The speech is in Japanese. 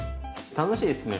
楽しいですね。